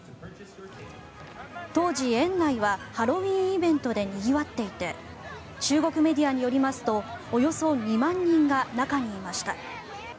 当時、園内はハロウィーンイベントでにぎわっていて中国メディアによりますとおよそ２万人が中にいました。